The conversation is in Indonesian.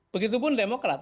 begitu pun demokrat